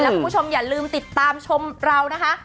คุณผู้ชมอย่าลืมติดตามชมเรานะคะ